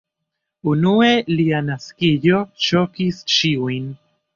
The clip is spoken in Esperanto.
Unue lia naskiĝo ŝokis ĉiujn.